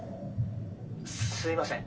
「すいません」。